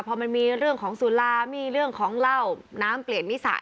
พอมันมีเรื่องของสุรามีเรื่องของเหล้าน้ำเปลี่ยนนิสัย